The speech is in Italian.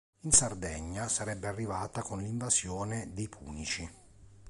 In Sardegna sarebbe arrivata con l'invasione dei punici.